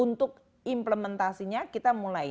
untuk implementasinya kita mulai